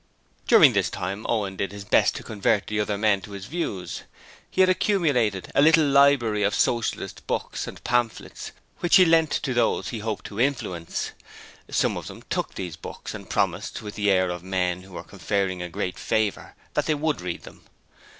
During this time Owen did his best to convert the other men to his views. He had accumulated a little library of Socialist books and pamphlets which he lent to those he hoped to influence. Some of them took these books and promised, with the air of men who were conferring a great favour, that they would read them.